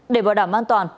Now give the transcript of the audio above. để bảo đảm an toàn